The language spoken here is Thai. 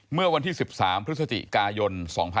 เมื่อวันที่๑๓พฤศจิกายน๒๕๖๒